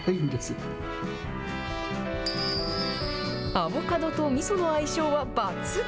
アボカドとみその相性は抜群。